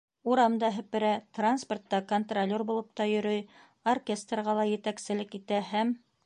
Урам да һеперә, транспортта контролер булып та йөрөй, оркестрға ла етәкселек итә һәм...